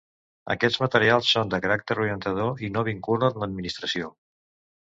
Aquests materials són de caràcter orientador i no vinculen l'Administració.